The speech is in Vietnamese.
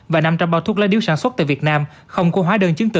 và năm trăm linh bao thuốc lá điếu sản xuất tại việt nam không có hóa đơn chứng từ